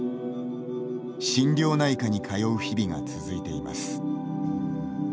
心療内科に通う日々が続いています。